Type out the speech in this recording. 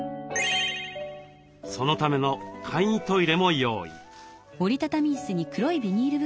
そのための簡易トイレも用意。